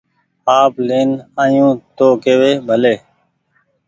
آپ لين آيو تو ڪيوي ڀلي